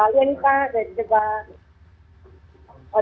lianika dan juga